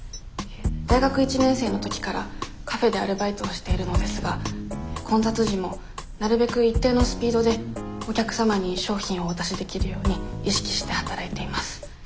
大学１年生の時からカフェでアルバイトをしているのですが混雑時もなるべく一定のスピードでお客様に商品をお渡しできるように意識して働いています。